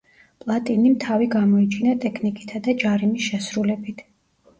პლატინიმ თავი გამოიჩინა ტექნიკითა და ჯარიმის შესრულებით.